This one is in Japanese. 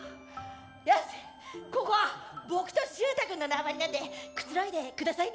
よしここは僕としゅうた君の縄張りなんでくつろいでくださいね。